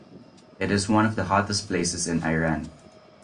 It is one of the hottest places in Iran.